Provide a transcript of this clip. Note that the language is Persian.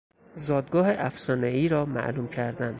زادگاه افسانهای را معلوم کردن